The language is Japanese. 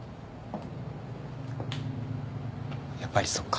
やっぱりそっか。